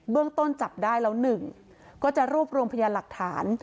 เรื่องต้นจับได้แล้วหนึ่งก็จะรวบรวมพยานหลักฐาน